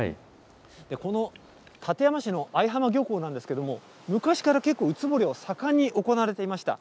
この館山市の相浜漁港なんですけれども、昔から結構、ウツボ漁、盛んに行われていました。